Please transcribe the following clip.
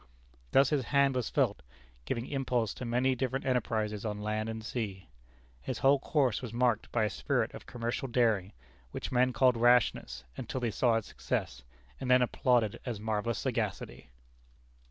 Thus his hand was felt, giving impulse to many different enterprises on land and sea. His whole course was marked by a spirit of commercial daring, which men called rashness, until they saw its success, and then applauded as marvellous sagacity.